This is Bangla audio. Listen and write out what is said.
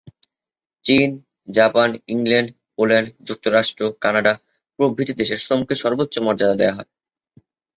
চীন, জাপান, ইংল্যান্ড, পোল্যান্ড, যুক্তরাষ্ট্র, কানাডা প্রভৃতি দেশে শ্রমকে সর্বোচ্চ মর্যাদা দেয়া হয়।